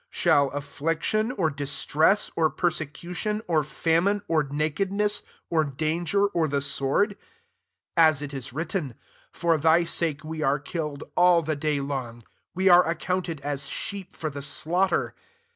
%hall affliction, or distress, or perse cution, or famine, or naked ness, or danger, or the sword ? 36 (As it is written, " For thy sake we are killed all the day long; we are accounted as sheep for the slaughter.")